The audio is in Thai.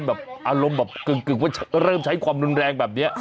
แบบอารมณ์แบบกึ่งว่าเริ่มใช้ความรุนแรงแบบนี้